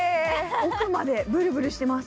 奥までブルブルしてます